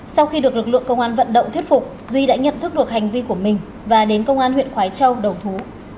sau khi được lực lượng công an vận động thuyết phục duy đã nhận thức được hành vi của mình và đến công an huyện khói châu đầu thú